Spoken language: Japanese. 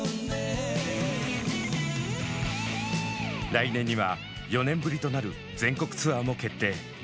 来年には４年ぶりとなる全国ツアーも決定。